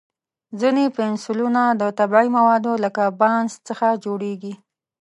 ځینې پنسلونه د طبیعي موادو لکه بانس څخه جوړېږي.